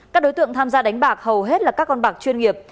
các đối tượng tham gia đánh bạc hầu hết là các con bạc chuyên nghiệp